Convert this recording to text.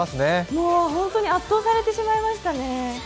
もう、本当に圧倒されてしまいましたね。